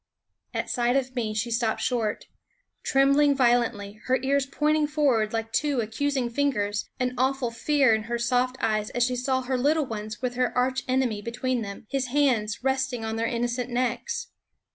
At sight of me she stopped short, trembling violently, her ears pointing for ward like two accusing fingers, an awful fear in her soft eyes as she saw her little ones with her archenemy between them, his hands resting on their innocent necks.